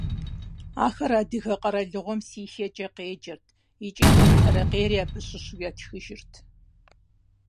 Ахэр адыгэ къэралыгъуэм Сихиекӏэ къеджэрт икӏи Тэмтэрэкъейри абы щыщу ятхыжырт.